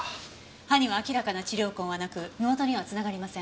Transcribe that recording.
歯には明らかな治療痕はなく身元には繋がりません。